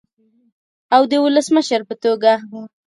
او د ولسمشر په توګه